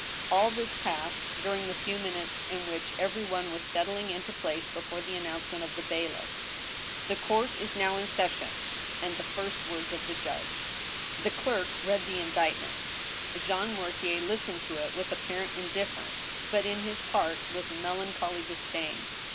AU this passed during the few minutes in which every one was settling intp place, before the announcement of the bailifiF, " The court is now in session !" and the first words of the judge. The clerk read the indictment. Jean Mortier listened to it with apparent indifference, but in his heart with melancholy disdain.